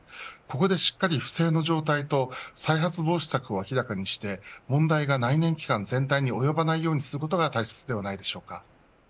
ここでしっかり不正の状態と再発防止策を明らかにして問題が内燃機関全体に及ばないようにすることが大切ではないでしょうか。